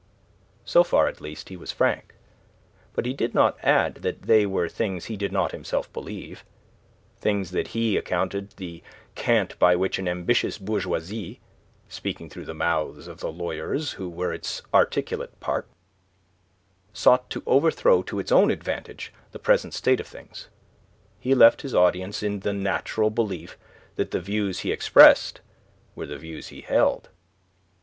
So far at least he was frank. But he did not add that they were things he did not himself believe, things that he accounted the cant by which an ambitious bourgeoisie speaking through the mouths of the lawyers, who were its articulate part sought to overthrow to its own advantage the present state of things. He left his audience in the natural belief that the views he expressed were the views he held.